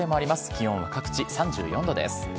気温は各地３４度です。